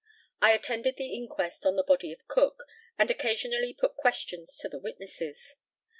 I attended the inquest on the body of Cook, and occasionally put questions to the witnesses.